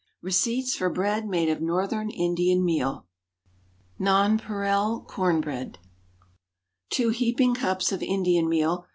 Receipts for Bread made of Northern Indian Meal. NONPAREIL CORN BREAD. ✠ 2 heaping cups of Indian meal.